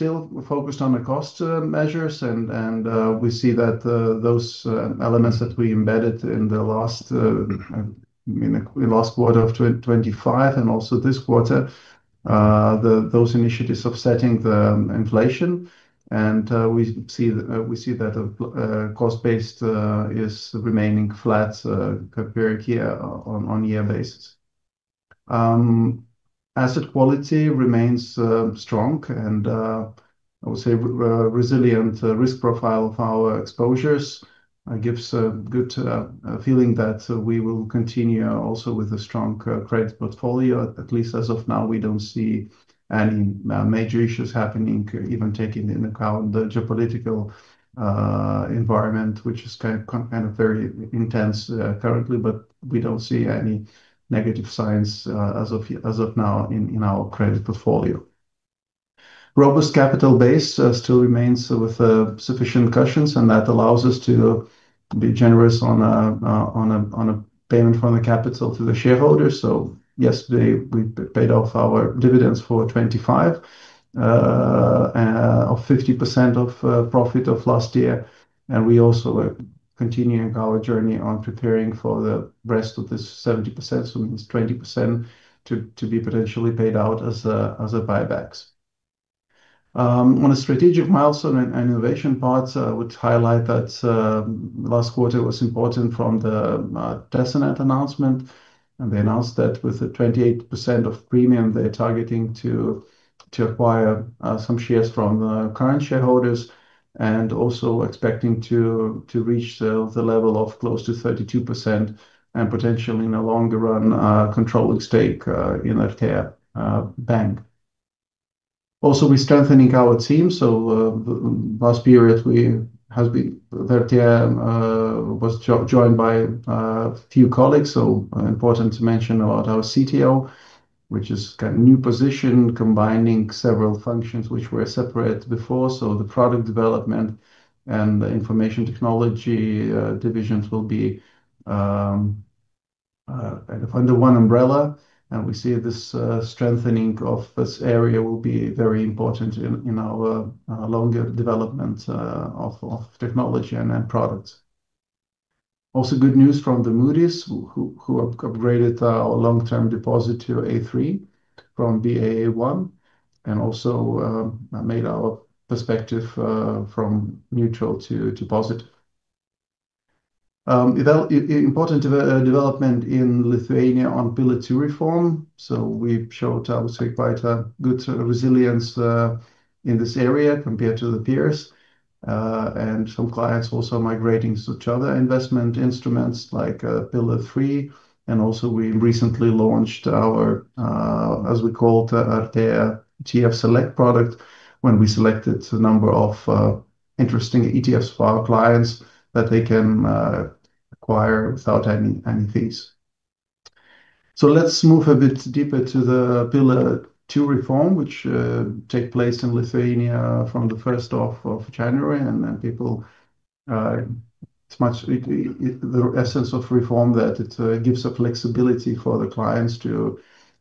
Still focused on the cost measures and we see that those elements that we embedded in the last quarter of 2025 and also this quarter, those initiatives of stemming the inflation and we see that cost base is remaining flat compared year-on-year basis. Asset quality remains strong and I would say resilient risk profile of our exposures gives a good feeling that we will continue also with a strong credit portfolio. At least as of now, we don't see any major issues happening, even taking into account the geopolitical environment, which is kind of very intense currently, but we don't see any negative signs as of now in our credit portfolio. Robust capital base still remains with sufficient cushions, and that allows us to be generous on a payment from the capital to the shareholders. Yesterday we paid off our dividends for 25 of 50% of profit of last year. We also are continuing our journey on preparing for the rest of this 70%, so it means 20% to be potentially paid out as buybacks. On a strategic milestone and innovation parts, I would highlight that last quarter was important from the Tesonet announcement. They announced that with a 28% premium, they're targeting to acquire some shares from the current shareholders and also expecting to reach the level of close to 32% and potentially in the longer run, controlling stake in Artea bankas. Also, we're strengthening our team. Last period Artea bankas was joined by a few colleagues. Important to mention about our CTO, which is kind of new position combining several functions which were separate before. The product development and the information technology divisions will be under one umbrella. We see this strengthening of this area will be very important in our longer development of technology and products. Good news from Moody's who upgraded our long-term deposit to A3 from Baa1, and also made our outlook from neutral to positive. Important development in Lithuania on Pillar Two reform. We showed, I would say, quite a good resilience in this area compared to the peers. Some clients also migrating to other investment instruments like Pillar Three. We recently launched our, as we call it, Artea ETF Select product, when we selected a number of interesting ETFs for our clients that they can acquire without any fees. Let's move a bit deeper to the Pillar Two reform, which take place in Lithuania from the 1 January. Then people, it's much the essence of reform that it gives a flexibility for the clients to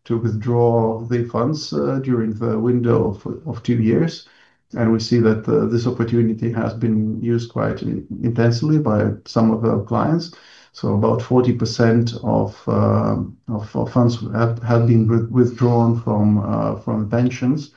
withdraw their funds during the window of two years. We see that this opportunity has been used quite intensively by some of our clients. About 40% of funds have been withdrawn from pensions.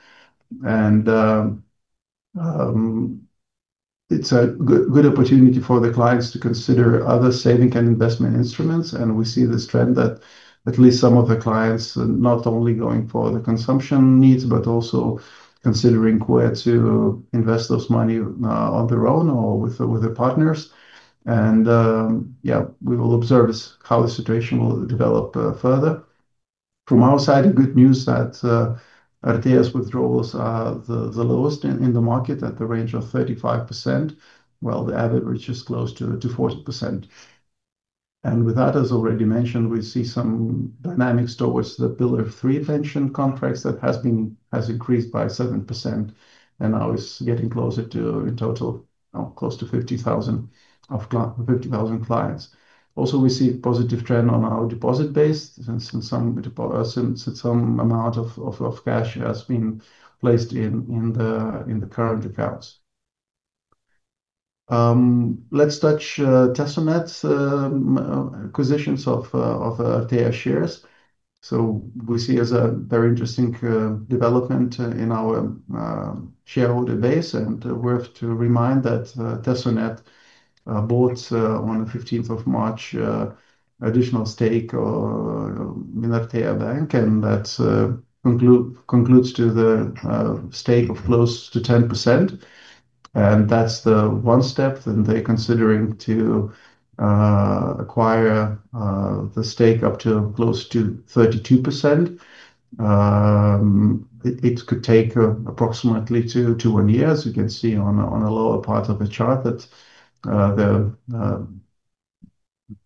It's a good opportunity for the clients to consider other saving and investment instruments. We see this trend that at least some of the clients not only going for the consumption needs, but also considering where to invest those money on their own or with their partners. Yeah, we will observe how the situation will develop further. From our side, a good news that Artea's withdrawals are the lowest in the market at the range of 35%, while the average is close to 40%. With that, as already mentioned, we see some dynamics towards the Pillar Three pension contracts that has increased by 7% and now is getting closer to a total of close to 50,000 clients. Also, we see positive trend on our deposit base since some amount of cash has been placed in the current accounts. Let's touch Tesonet's acquisitions of Artea shares. We see as a very interesting development in our shareholder base, and worth reminding that Tesonet bought on the fifteenth of March additional stake in Artea bankas, and that concludes to the stake of close to 10%. That's one step, and they're considering to acquire the stake up to close to 32%. It could take approximately one to two years. You can see on a lower part of the chart that the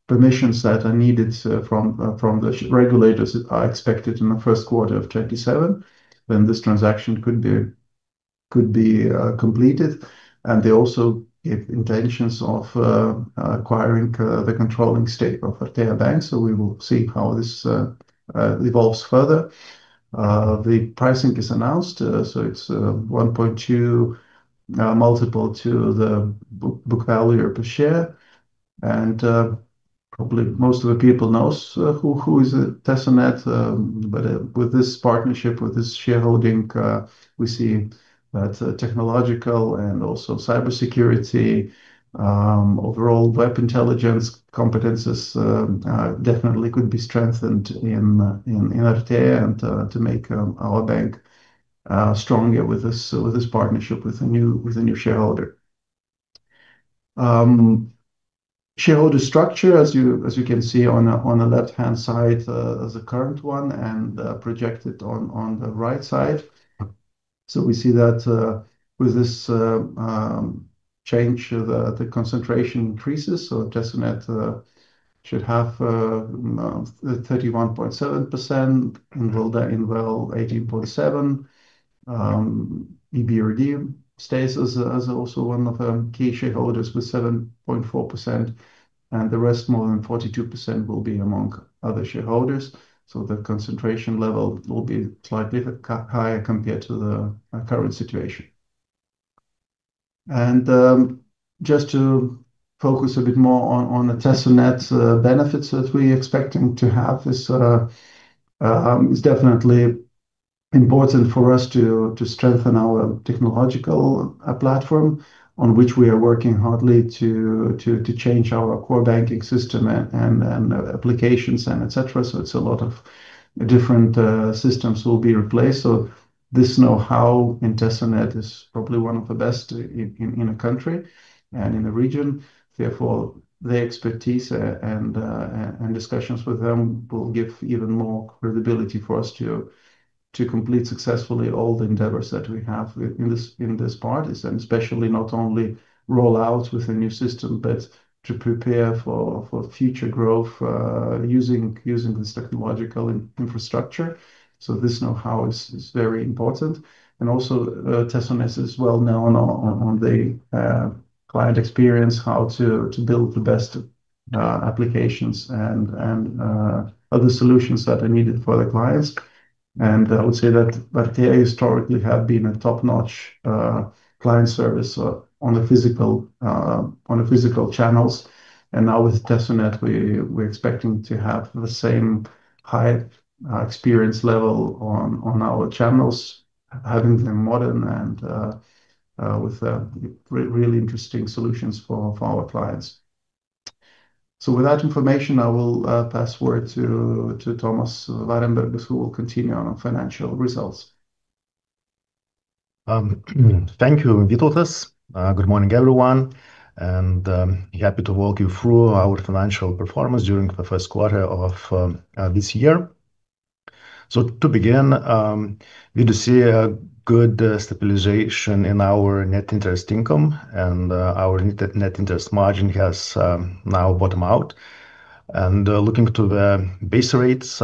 permissions that are needed from the regulators are expected in the first quarter of 2027, then this transaction could be completed. They also have intentions of acquiring the controlling stake of Artea bankas. We will see how this evolves further. The pricing is announced, so it's 1.2x multiple to the book value per share. Probably most of the people knows who is Tesonet, but with this partnership, with this shareholding, we see that technological and also cybersecurity overall web intelligence competences definitely could be strengthened in Artea and to make our bank stronger with this partnership with a new shareholder. Shareholder structure, as you can see on the left-hand side, as the current one and projected on the right side. We see that with this change, the concentration increases. Tesonet should have 31.7%, Invalda INVL 18.7%. EBRD stays as also one of the key shareholders with 7.4%, and the rest, more than 42% will be among other shareholders. The concentration level will be slightly higher compared to the current situation. Just to focus a bit more on the Tesonet's benefits that we're expecting to have is sort of definitely important for us to strengthen our technological platform on which we are working hard to change our core banking system and applications and et cetera. It's a lot of different systems will be replaced. This know-how in Tesonet is probably one of the best in the country and in the region. Therefore, their expertise and discussions with them will give even more credibility for us to complete successfully all the endeavors that we have in these partnerships, and especially not only roll out with a new system, but to prepare for future growth using this technological infrastructure. This know-how is very important. Tesonet is well-known for the client experience, how to build the best applications and other solutions that are needed for the clients. I would say that they historically have been a top-notch client service on the physical channels. Now with Tesonet, we're expecting to have the same high experience level on our channels, having them modern and with really interesting solutions for our clients. With that information, I will pass forward to Tomas Varenbergas who will continue on financial results. Thank you, Vytautas. Good morning, everyone, and happy to walk you through our financial performance during the first quarter of this year. To begin, we do see a good stabilization in our Net Interest Income and our Net Interest Margin has now bottomed out. Looking to the base rates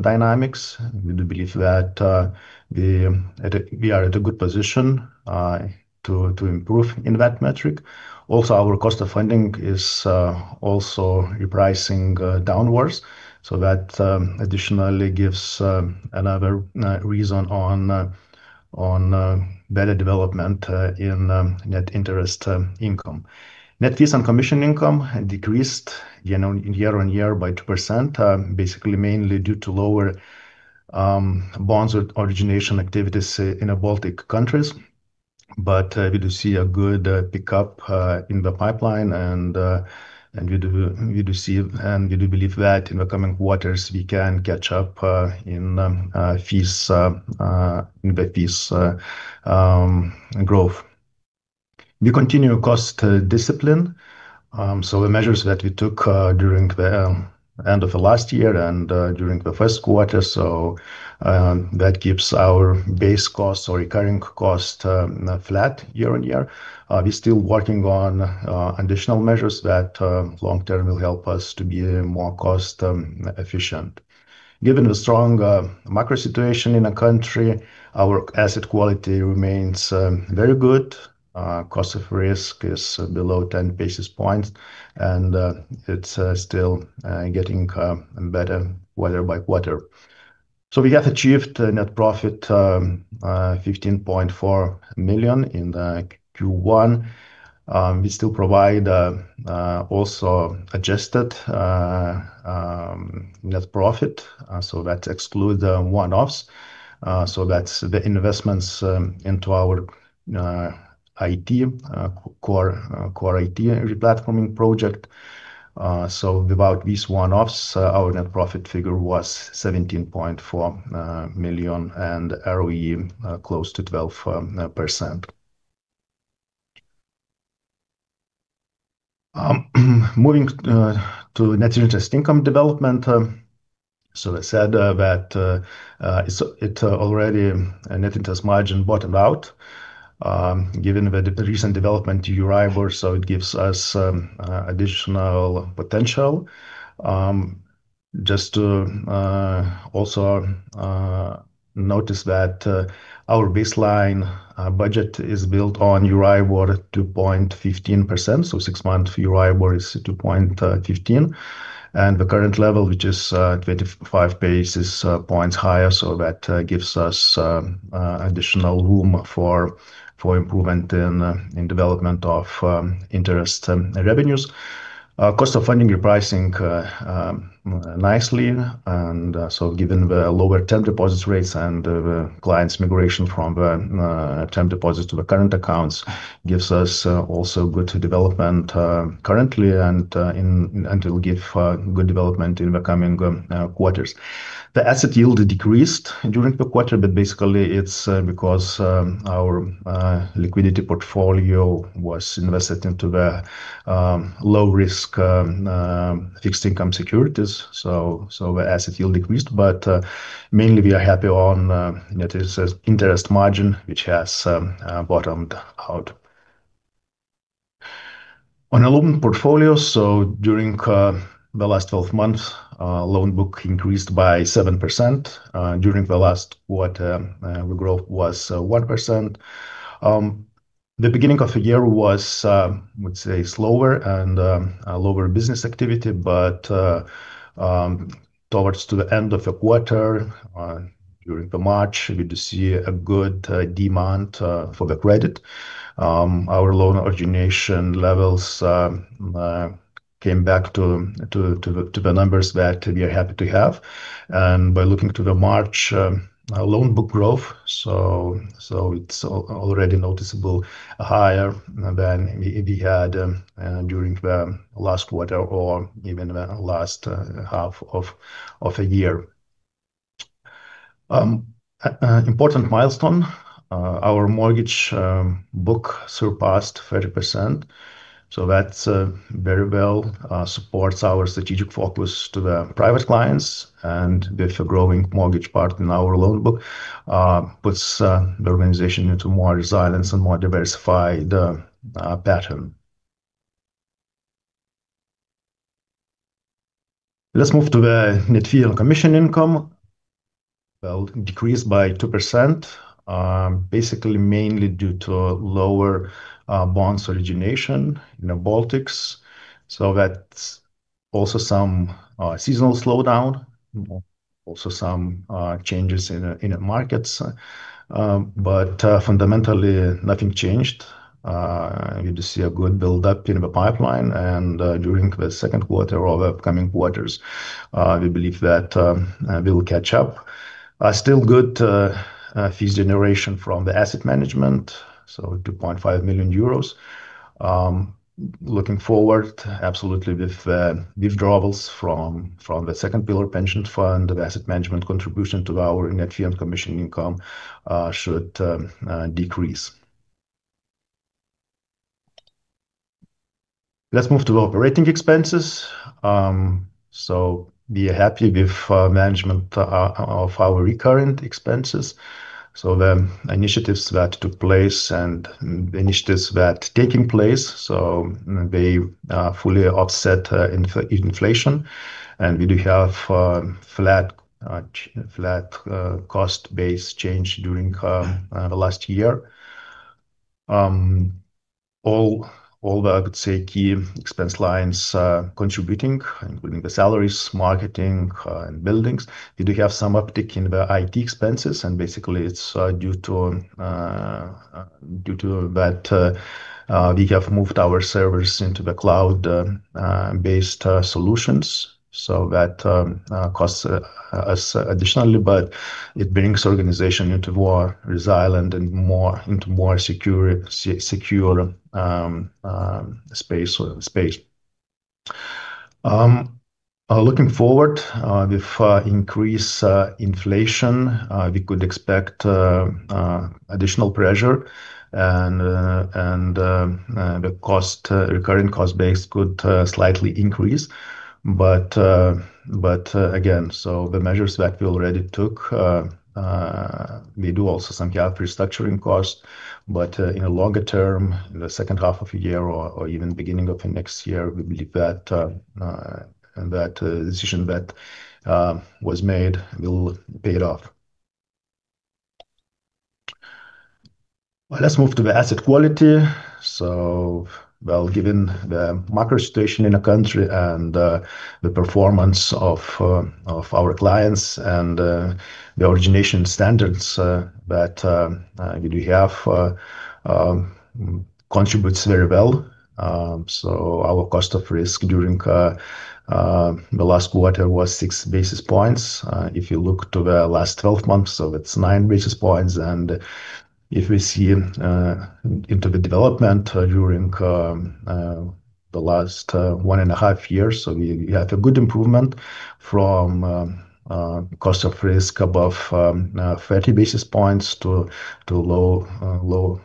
dynamics, we do believe that we are at a good position to improve in that metric. Our cost of funding is also repricing downwards, so that additionally gives another reason for better development in Net Interest Income. Net Fee and Commission Income decreased year-on-year by 2%, basically mainly due to lower bond origination activities in the Baltic countries. We do see a good pickup in the pipeline and we believe that in the coming quarters we can catch up in fees growth. We continue cost discipline, so the measures that we took during the end of last year and during the first quarter, so that keeps our base costs or recurring cost flat year on year. We're still working on additional measures that long-term will help us to be more cost efficient. Given the strong macro situation in the country, our asset quality remains very good. Cost of Risk is below 10 basis points and it's still getting better quarter by quarter. We have achieved net profit 15.4 million in Q1. We still provide also adjusted net profit so that excludes the one-offs. That's the investments into our IT core IT replatforming project. Without these one-offs, our net profit figure was 17.4 million and ROE close to 12%. Moving to net interest income development. I said that the net interest margin already bottomed out given the recent development in Euribor, so it gives us additional potential. Just to also note that our baseline budget is built on Euribor 2.15%, so 6-month Euribor is 2.15%. The current level, which is 25 basis points higher, so that gives us additional room for improvement in development of interest and revenues. Our cost of funding repricing nicely, and so given the lower term deposits rates and the clients migration from the term deposits to the current accounts gives us also good development currently and it'll give good development in the coming quarters. The asset yield decreased during the quarter, but basically it's because our liquidity portfolio was invested into the low risk fixed income securities. So the asset yield decreased, but mainly we are happy on net interest margin, which has bottomed out. On our loan portfolio, during the last 12 months, our loan book increased by 7%. During the last quarter, our growth was 1%. The beginning of the year was, I would say, slower and a lower business activity. Towards the end of the quarter, during March, we did see a good demand for the credit. Our loan origination levels came back to the numbers that we are happy to have. By looking to March, our loan book growth, it's already noticeably higher than we had during the last quarter or even the last half of the year. Important milestone, our mortgage book surpassed 30%, so that very well supports our strategic focus to the private clients and with a growing mortgage part in our loan book, puts the organization into more resilience and more diversified pattern. Let's move to the net fee and commission income. Well, it decreased by 2%, basically mainly due to lower bond origination in the Baltics. That's also some seasonal slowdown, also some changes in the markets. Fundamentally, nothing changed. We did see a good build-up in the pipeline, and during the second quarter or the upcoming quarters, we believe that we will catch up. Still good fee generation from the asset management, so 2.5 million euros. Looking forward, absolutely with withdrawals from the second pillar pension fund, the asset management contribution to our net fee and commission income should decrease. Let's move to the operating expenses. We are happy with management of our recurrent expenses. The initiatives that took place and initiatives that taking place they fully offset inflation. We do have flat cost base change during the last year. All the, I could say, key expense lines contributing, including the salaries, marketing and buildings. We do have some uptick in the IT expenses, and basically, it's due to that we have moved our servers into the cloud based solutions. That costs us additionally, but it brings the organization into more resilient and more secure space. Looking forward, with increasing inflation, we could expect additional pressure and the recurring cost base could slightly increase. Again, the measures that we already took, we do also some job restructuring cost. In the longer term, in the second half of the year or even beginning of the next year, we believe that decision that was made will pay it off. Well, let's move to the asset quality. Well, given the macro situation in the country and the performance of our clients and the origination standards that we do have contributes very well. Our cost of risk during the last quarter was six basis points. If you look to the last 12 months, that's nine basis points. If we see into the development during the last one and a half years, we have a good improvement from cost of risk above 30 basis points to lower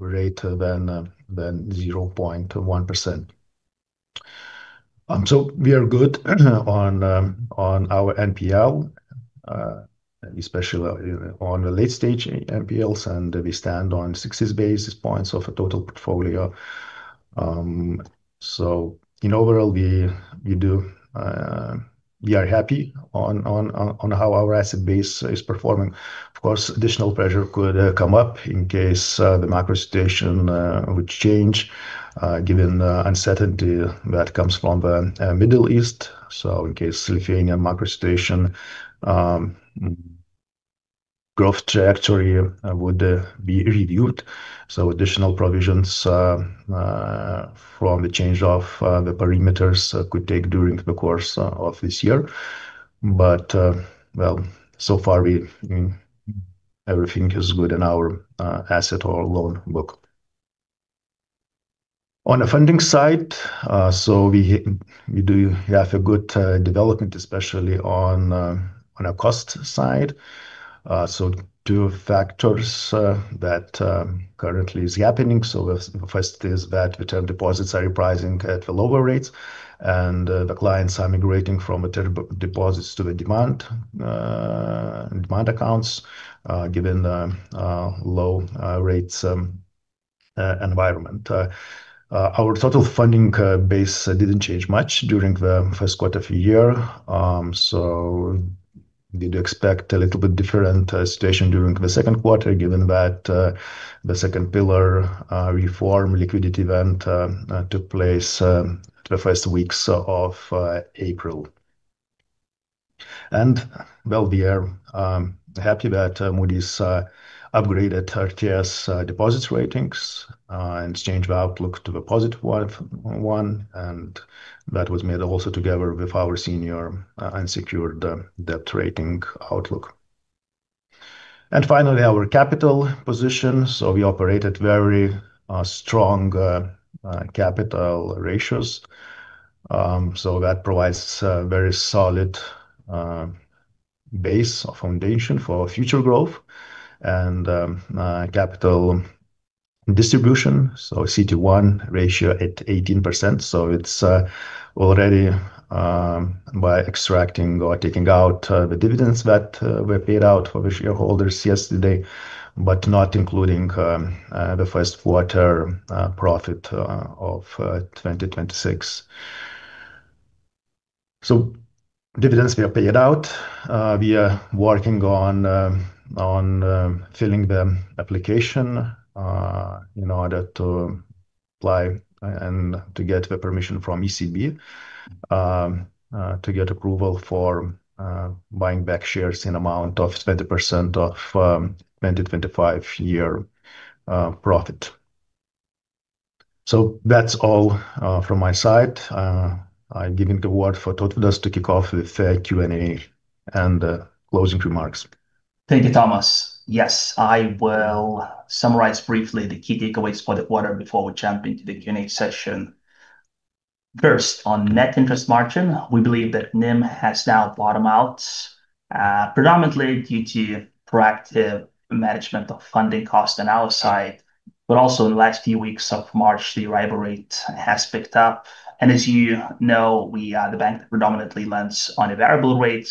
rate than 0.1%. We are good on our NPL, especially on the late stage NPLs, and we stand on 60 basis points of the total portfolio. Overall, we are happy on how our asset base is performing. Of course, additional pressure could come up in case the macro situation would change given the uncertainty that comes from the Middle East. In case Lithuanian macro situation growth trajectory would be reviewed. Additional provisions from the change of the parameters could take during the course of this year. So far we, I mean, everything is good in our asset or loan book. On the funding side, we do have a good development, especially on a cost side. Two factors that currently is happening. The first is that the term deposits are repricing at the lower rates and the clients are migrating from term deposits to the demand accounts given the low rates environment. Our total funding base didn't change much during the first quarter of the year. We do expect a little bit different situation during the second quarter, given that the second pillar reform liquidity event took place in the first weeks of April. Well, we are happy that Moody's upgraded its deposits ratings and changed the outlook to the positive one, and that was made also together with our senior and secured debt rating outlook. Finally, our capital position. We operate at very strong capital ratios. That provides a very solid base or foundation for future growth and capital distribution. CET1 ratio at 18%. It's already by extracting or taking out the dividends that were paid out for the shareholders yesterday, but not including the first quarter profit of 2026. Dividends were paid out. We are working on filling the application in order to apply and to get the permission from ECB to get approval for buying back shares in amount of 20% of 2025 year profit. That's all from my side. I'm giving the word for Tautvydas Mėdžius to kick off with Q&A and the closing remarks. Thank you, Tomas. Yes, I will summarize briefly the key takeaways for the quarter before we jump into the Q&A session. First, on net interest margin, we believe that NIM has now bottomed out, predominantly due to proactive management of funding cost on our side. Also in the last few weeks of March, the Euribor rate has picked up. As you know, we, the bank predominantly lends on a variable rate,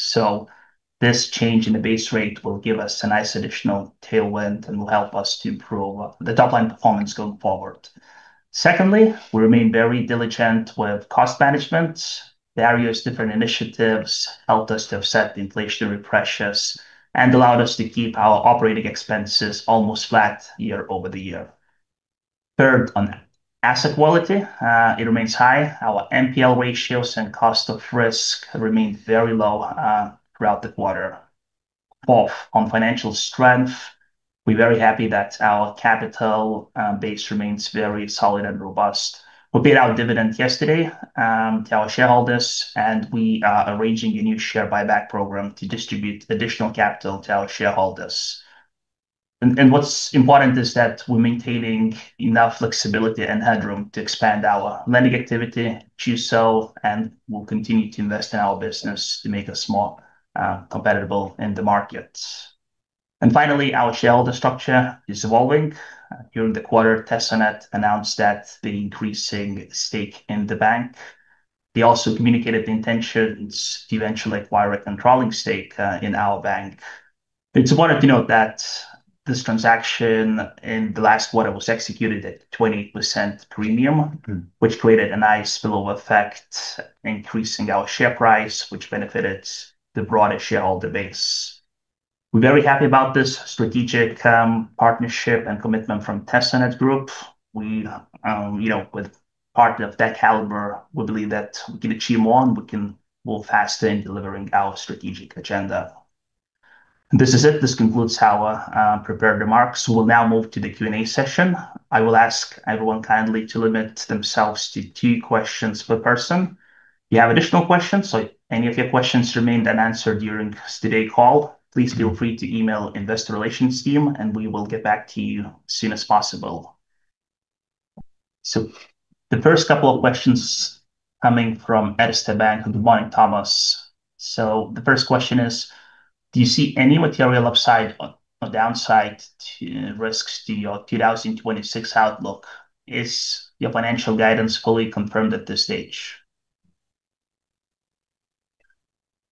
so this change in the base rate will give us a nice additional tailwind and will help us to improve the top line performance going forward. Secondly, we remain very diligent with cost management. The various different initiatives helped us to offset the inflationary pressures and allowed us to keep our operating expenses almost flat year-over-year. Third, on asset quality, it remains high. Our NPL ratios and cost of risk remained very low throughout the quarter. Fourth, on financial strength, we're very happy that our capital base remains very solid and robust. We paid our dividend yesterday to our shareholders, and we are arranging a new share buyback program to distribute additional capital to our shareholders. What's important is that we're maintaining enough flexibility and headroom to expand our lending activity too, so we'll continue to invest in our business to make us more competitive in the market. Finally, our shareholder structure is evolving. During the quarter, Tesonet announced that they're increasing their stake in the bank. They also communicated their intentions to eventually acquire a controlling stake in our bank. It's important to note that this transaction in the last quarter was executed at 20% premium, which created a nice spillover effect, increasing our share price, which benefited the broader shareholder base. We're very happy about this strategic partnership and commitment from Tesonet Group. We, you know, with partner of that caliber, we believe that we can achieve more and we can move faster in delivering our strategic agenda. This is it. This concludes our prepared remarks. We'll now move to the Q&A session. I will ask everyone kindly to limit themselves to two questions per person. If you have additional questions or any of your questions remained unanswered during today's call, please feel free to email investor relations team, and we will get back to you as soon as possible. The first couple of questions coming from Esteban. Good morning, Tomas. The first question is, do you see any material upside or downside to risks to your 2026 outlook? Is your financial guidance fully confirmed at this stage?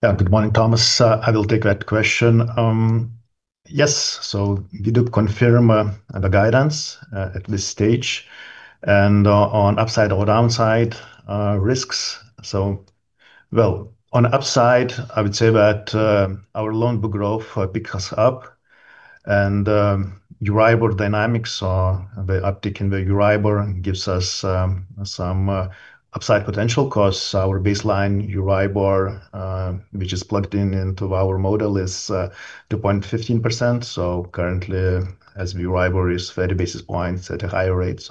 Yeah. Good morning. Tomas. I will take that question. Yes. We do confirm the guidance at this stage and on upside or downside risks. Well, on upside, I would say that our loan book growth picks up and Euribor dynamics are the uptick in the Euribor and gives us some upside potential 'cause our baseline Euribor, which is plugged in into our model is 2.15%. Currently as Euribor is 30 basis points at a higher rate.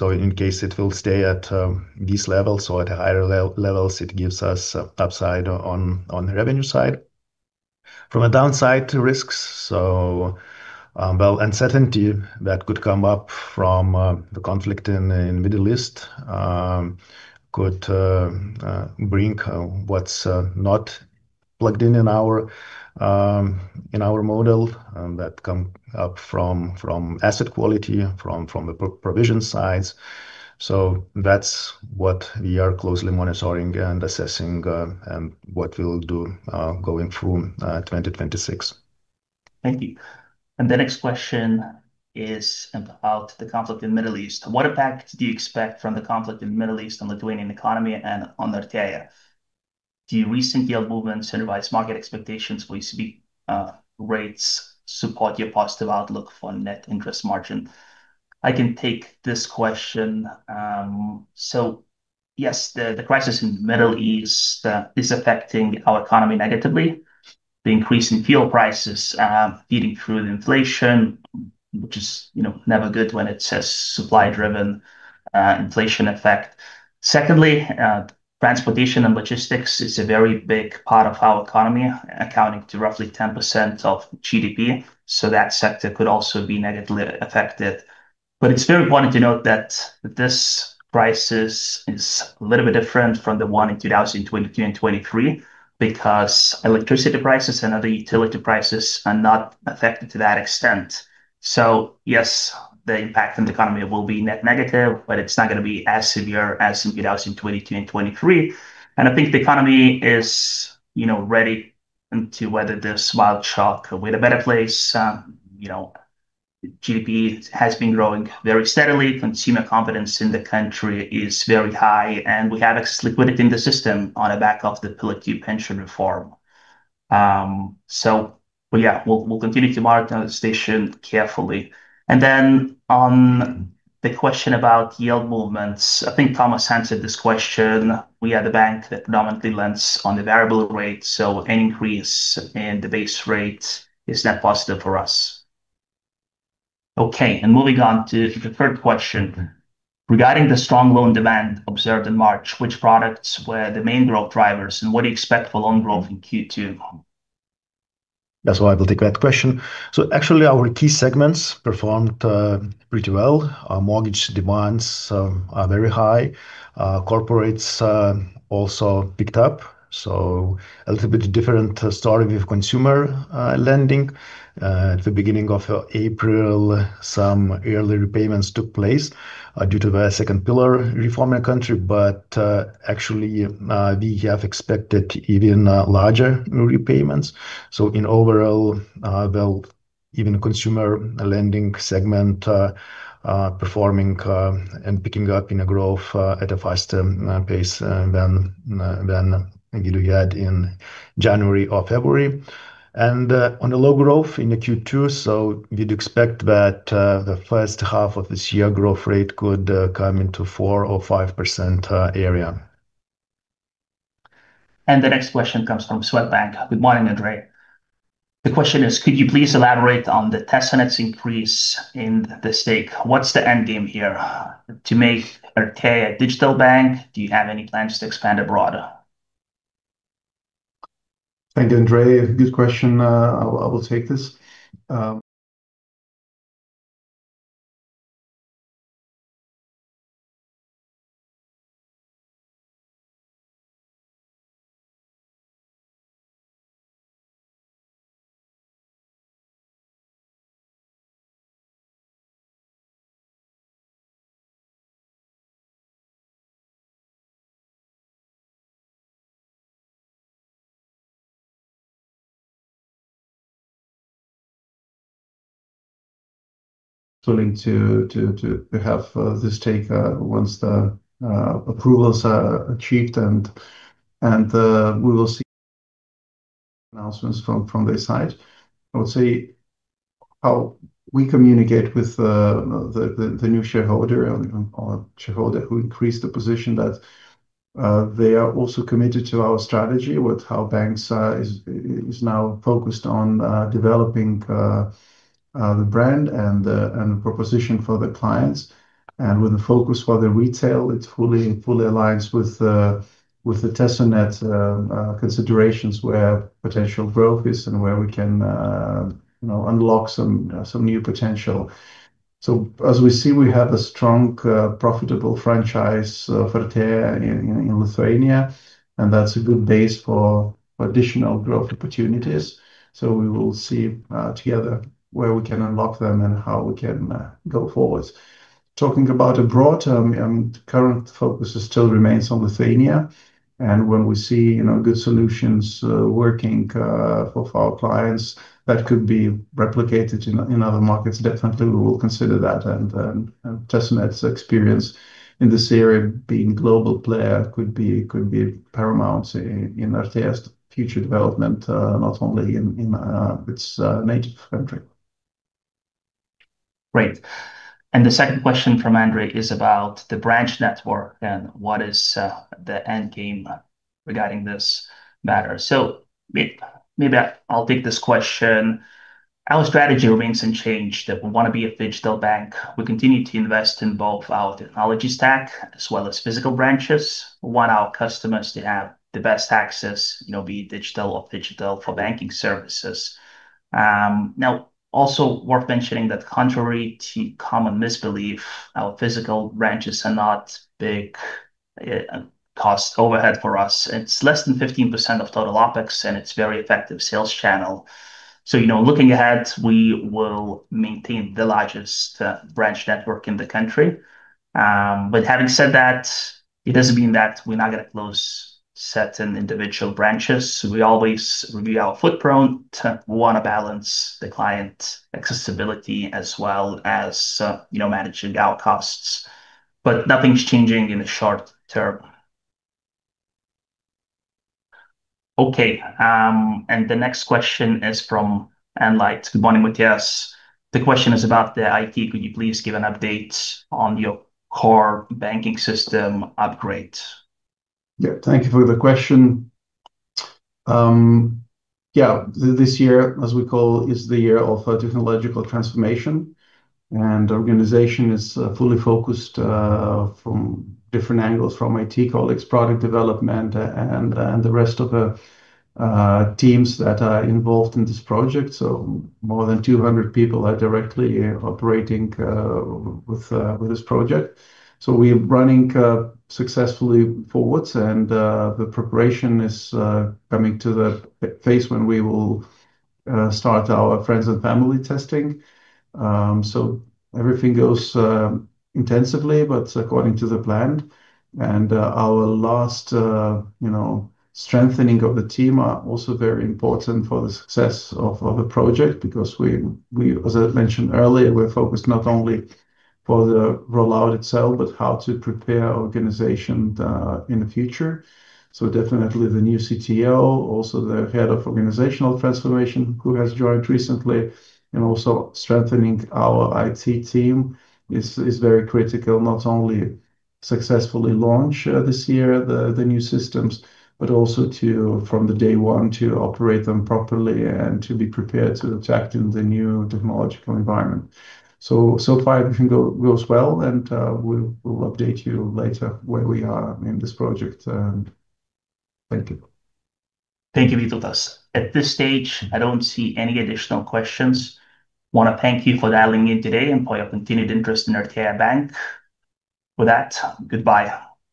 In case it will stay at these levels or at higher levels, it gives us upside on the revenue side. From a downside to risks, well, uncertainty that could come up from the conflict in Middle East could bring what's not plugged in our model that come up from the provision sides. That's what we are closely monitoring and assessing what we'll do going through 2026. Thank you. The next question is about the conflict in Middle East. What impact do you expect from the conflict in Middle East on Lithuanian economy and on the Artea? Do recent yield movements and revised market expectations for ECB rates support your positive outlook for net interest margin? I can take this question. Yes, the crisis in Middle East is affecting our economy negatively. The increase in fuel prices feeding through the inflation, which is, you know, never good when it says supply driven inflation effect. Secondly, transportation and logistics is a very big part of our economy, accounting for roughly 10% of GDP. That sector could also be negatively affected. It's very important to note that this crisis is a little bit different from the one in 2022 and 2023, because electricity prices and other utility prices are not affected to that extent. Yes, the impact on the economy will be net negative, but it's not going to be as severe as in 2022 and 2023. I think the economy is, you know, ready and to weather this mild shock. We're in a better place. You know, GDP has been growing very steadily. Consumer confidence in the country is very high, and we have excess liquidity in the system on the back of the Pillar Two pension reform. So, well, yeah, we'll continue to monitor the situation carefully. Then on the question about yield movements, I think Tomas answered this question. We are the bank that predominantly lends on the variable rate, so any increase in the base rate is net positive for us. Okay. Moving on to the third question. Regarding the strong loan demand observed in March, which products were the main growth drivers, and what do you expect for loan growth in Q2? That's why I will take that question. Actually, our key segments performed pretty well. Our mortgage demands are very high. Corporates also picked up. A little bit different story with consumer lending. At the beginning of April, some early repayments took place due to the second pillar reform in the country. Actually, we have expected even larger repayments. In overall, well, even consumer lending segment performing and picking up in a growth at a faster pace than we had in January or February. On the low growth in Q2, we'd expect that the first half of this year, growth rate could come into 4% or 5% area. The next question comes from Swedbank. Good morning, Andrej. The question is, could you please elaborate on the Tesonet's increase in the stake? What's the end game here? To make Artea a digital bank, do you have any plans to expand abroad? Thank you, Andrej. Good question. I will take this. Willing to have this take once the approvals are achieved and we will see announcements from their side. I would say how we communicate with the new shareholder or shareholder who increased the position that they are also committed to our strategy with how Artea bankas is now focused on developing the brand and the proposition for the clients. With the focus for the retail, it fully aligns with the Tesonet considerations where potential growth is and where we can you know unlock some new potential. As we see, we have a strong, profitable franchise for Artea in Lithuania, and that's a good base for additional growth opportunities. We will see together where we can unlock them and how we can go forward. Talking about a broad term, the current focus still remains on Lithuania. When we see, you know, good solutions working for our clients that could be replicated in other markets, definitely we will consider that. Tesonet's experience in this area being global player could be paramount in its native country. Great. The second question from Andrej is about the branch network and what is the end game regarding this matter. Maybe I'll take this question. Our strategy remains unchanged, that we wanna be a digital bank. We continue to invest in both our technology stack as well as physical branches. We want our customers to have the best access, you know, be digital or physical for banking services. Now also worth mentioning that contrary to common misbelief, our physical branches are not big cost overhead for us. It's less than 15% of total OpEx, and it's very effective sales channel. You know, looking ahead, we will maintain the largest branch network in the country. But having said that, it doesn't mean that we're not gonna close certain individual branches. We always review our footprint. We wanna balance the client accessibility as well as, you know, managing our costs. Nothing's changing in the short term. Okay, the next question is from Anite. Good morning, Vytautas. The question is about the IT. Could you please give an update on your core banking system upgrade? Thank you for the question. This year, as we call, is the year of a technological transformation, and the organization is fully focused from different angles, from IT, call it, product development and the rest of the teams that are involved in this project. More than 200 people are directly operating with this project. We're running successfully forward, and the preparation is coming to the phase when we will start our friends and family testing. Everything goes intensively, but according to the plan. Our last, you know, strengthening of the team are also very important for the success of the project because we, as I mentioned earlier, we're focused not only for the rollout itself, but how to prepare our organization in the future. Definitely the new CTO, also the head of organizational transformation, who has joined recently, and also strengthening our IT team is very critical not only successfully launch this year the new systems, but also to from the day one to operate them properly and to be prepared to attract in the new technological environment. So far everything goes well, and we'll update you later where we are in this project. Thank you. Thank you, Vytautas. At this stage, I don't see any additional questions. Wanna thank you for dialing in today and for your continued interest in Artea bankas. With that, goodbye.